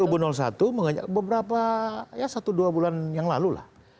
kubu satu mengajak beberapa ya satu dua bulan yang lalu lah